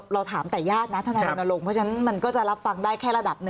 เพราะฉะนั้นมันก็จะรับฟังได้แค่ระดับ๑